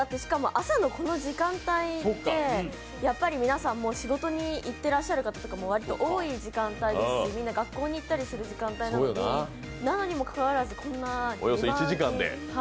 朝のこの時間帯で、やっぱり皆さん、仕事に行っていらっしゃる方とかも多い時間帯ですしみんな学校に行ったりする時間帯なのにもかかわらずこんな２万。